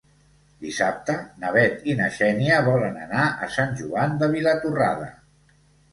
Dissabte na Bet i na Xènia volen anar a Sant Joan de Vilatorrada.